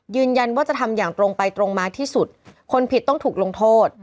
ยืนยันว่าจะทำอย่างตรงไปตรงมาที่สุดคนผิดต้องถูกลงโทษ